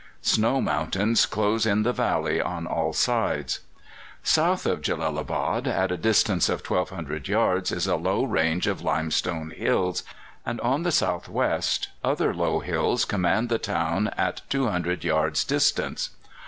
Snow mountains close in the valley on all sides. South of Jellalabad, at a distance of 1,200 yards, is a low range of limestone hills, and on the south west other low hills command the town at 200 yards' distance.